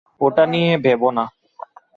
ওটা নিয়ে ভেবো না।